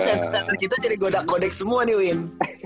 set setan kita jadi goda kodex semua nih win